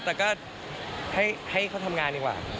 แต่ก็ให้เขาทำงานดีกว่า